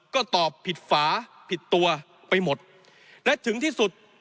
ก็ตอบผิดฝาผิดตัวไปหมดและถึงที่สุด